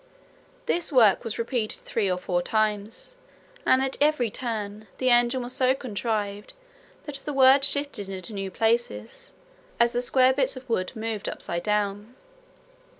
This work was repeated three or four times, and at every turn, the engine was so contrived, that the words shifted into new places, as the square bits of wood moved upside down.